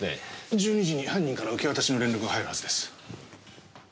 １２時に犯人から受け渡しの連絡が入るはずです。